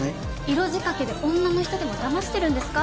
色仕掛けで女の人でもだましてるんですか？